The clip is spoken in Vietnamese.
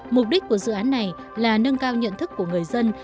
mục đích của dự án này là nâng cao nhận thức của người dân